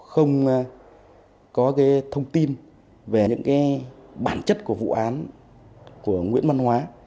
không có cái thông tin về những cái bản chất của vụ án của nguyễn văn hóa